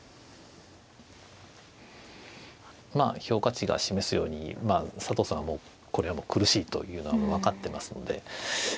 評価値が示すように佐藤さんはこれはもう苦しいというのは分かってますので。